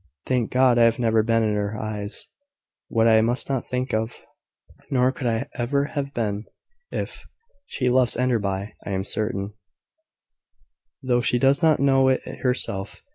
Thank God, I have never been in her eyes what I must not think of! Nor could I ever have been, if... She loves Enderby, I am certain, though she does not know it herself.